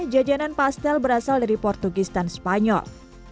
jajanan pastel berasal dari portugistan spanyol